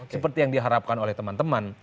seperti yang diharapkan oleh teman teman